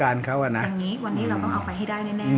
เพราะว่าน้องกัด